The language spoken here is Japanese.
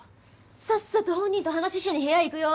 さっさと本人と話をしに部屋行くよ。